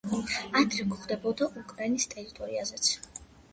ადრე გვხვდებოდა უკრაინის ტერიტორიაზეც.